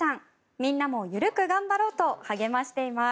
みんなも緩く頑張ろうと励ましています。